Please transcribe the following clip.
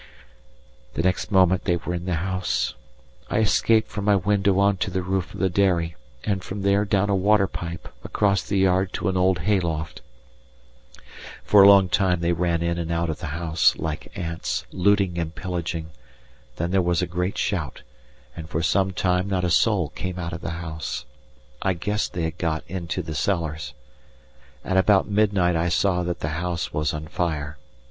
The next moment they were in the house. I escaped from my window on to the roof of the dairy, and from there down a water pipe, across the yard to an old hay loft. For a long time they ran in and out of the house, like ants, looting and pillaging; then there was a great shout, and for some time not a soul came out of the house. I guessed they had got into the cellars. At about midnight I saw that the house was on fire.